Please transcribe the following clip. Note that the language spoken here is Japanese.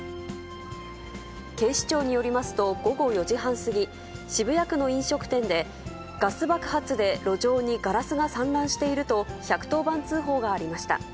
警視庁によりますと、午後４時半過ぎ、渋谷区の飲食店で、ガス爆発で路上にガラスが散乱していると１１０番通報がありました。